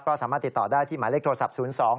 ก็สามารถติดต่อได้ที่หมายเลขโทรศัพท์๐๒